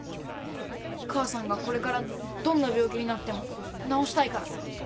母さんがこれからどんな病気になっても治したいから。